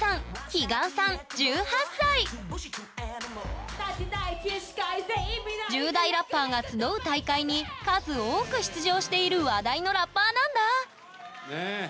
彼岸さん１８歳１０代ラッパーが集う大会に数多く出場している話題のラッパーなんだ！